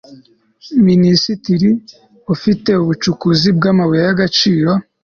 minisitiri ufite ubucukuzi bw amabuye y agaciro